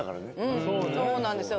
そうなんですよ。